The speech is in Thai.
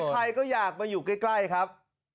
ใครก็อยากมาอยู่ใกล้ครับ